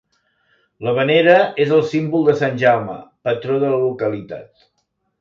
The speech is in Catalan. La venera és el símbol de Sant Jaume, patró de la localitat.